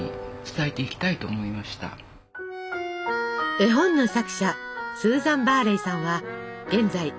絵本の作者スーザン・バーレイさんは現在６１歳。